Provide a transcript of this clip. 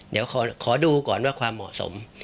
เดี๋ยวขอดูก่อนว่าความเหมาะสม